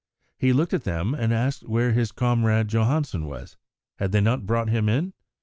He looked at them and asked where his comrade Johansen was. Had they not brought him in?